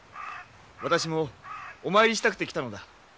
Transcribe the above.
私もお参りしたくて来たのだ。